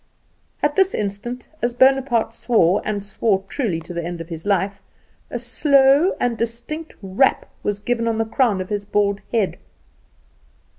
At this instant, as Bonaparte swore, and swore truly to the end of his life, a slow and distinct rap was given on the crown of his bald head.